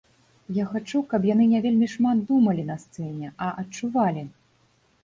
Я хачу, каб яны не вельмі шмат думалі на сцэне, а адчувалі.